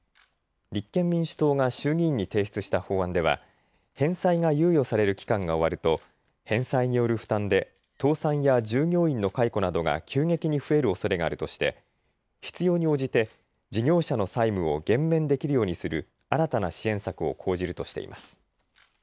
立憲民主党が衆議院に提出した法案では返済が猶予される期間が終わると返済による負担で倒産や従業員の解雇などが急激に増えるおそれがあるとして必要に応じて事業者の債務を減免できるようにする新たな支援策を講じるとしています。